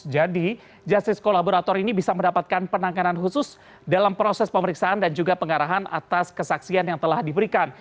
jadi jastis kolaborator ini bisa mendapatkan penanganan khusus dalam proses pemeriksaan dan juga pengarahan atas kesaksian yang telah diberikan